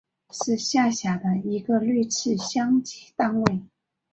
是下辖的一个类似乡级单位。